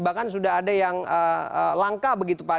bahkan sudah ada yang langka begitu pak